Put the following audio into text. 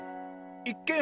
いっけん